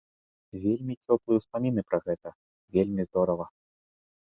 Вельмі цёплыя ўспаміны пра гэта, вельмі здорава!